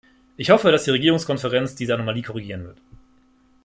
Ich hoffe, dass die Regierungskonferenz diese Anomalie korrigieren wird.